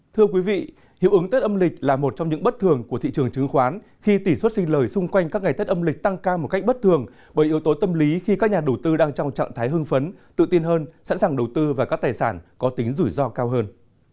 thưa quý vị hiệu ứng tết âm lịch là một trong những bất thường của thị trường chứng khoán khi tỷ suất sinh lời xung quanh các ngày tết âm lịch tăng cao một cách bất thường bởi yếu tố tâm lý khi các nhà đầu tư đang trong trạng thái hương phấn tự tin hơn sẵn sàng đầu tư và các tài sản có tính rủi ro cao hơn